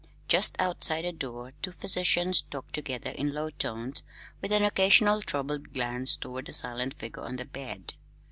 Just outside the door two physicians talked together in low tones, with an occasional troubled glance toward the silent figure on the bed.